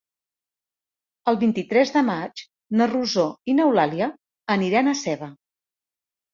El vint-i-tres de maig na Rosó i n'Eulàlia aniran a Seva.